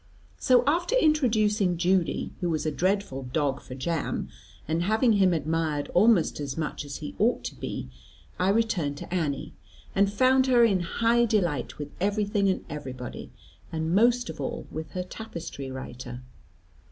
So after introducing Judy, who was a dreadful dog for jam, and having him admired almost as much as he ought to be, I returned to Annie, and found her in high delight with everything and everybody, and most of all with her tapestry writer.